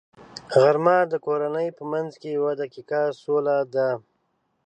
غرمه د کورنۍ په منځ کې یوه دقیقه سوله ده